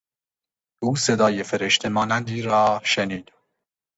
او صدای فرشته مانندی را شنید.